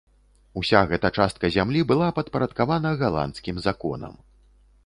Уся гэта частка зямлі была падпарадкавана галандскім законам.